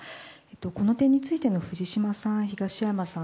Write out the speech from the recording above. この点についての藤島さん、東山さん